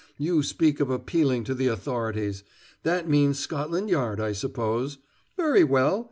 You speak of appealing to the authorities. That means Scotland Yard, I suppose. Very well.